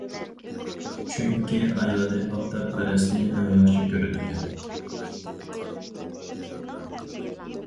چۈنكى ئايالى ئاپتاپپەرەسنى ئەڭ ياخشى كۆرىدىكەن.